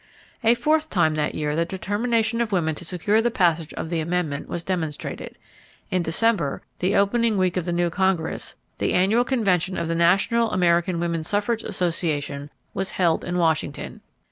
A fourth time that year the determination of women to secure the passage of the amendment was demonstrated. In December, the opening week of the new Congress, the annual convention of the National American Woman Suffrage Association was held in Washington.